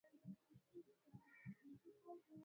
wameongezeka kumbe Ulaya na Amerika Kaskazini wamepungua Pew